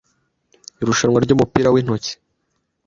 irushanwa ry’umupira w’intoki.